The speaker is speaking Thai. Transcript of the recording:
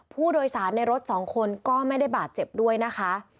ผู้โดยสารในรถสองคนก็ไม่ได้บาดเจ็บด้วยนะคะ